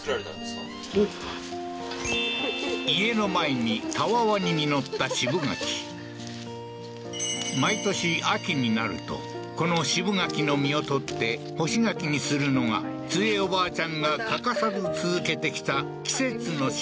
家の前にたわわに実った渋柿毎年秋になるとこの渋柿の実を採って干し柿にするのがツヱおばあちゃんが欠かさず続けてきた季節の仕事